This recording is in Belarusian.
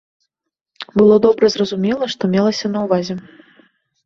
Было добра зразумела, што мелася на ўвазе!